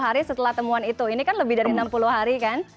hari setelah temuan itu ini kan lebih dari enam puluh hari kan